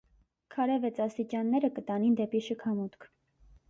Քարէ վեց աստիճանները կը տանին դէպի շքամուտք։